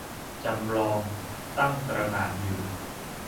จำลองตั้งตระหง่านอยู่